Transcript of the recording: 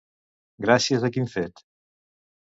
Gràcies a quin fet?